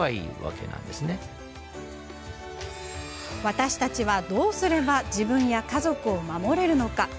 私たちは、どうすれば自分や家族を守れるのか？